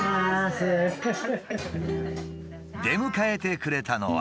出迎えてくれたのは。